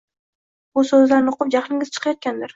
Bu so`zlarni o`qib jahlingiz chiqayotgandir